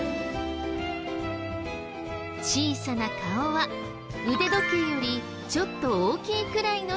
小さな顔は腕時計よりちょっと大きいくらいのサイズ。